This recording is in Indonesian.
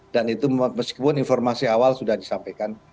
itu meskipun informasi awal sudah disampaikan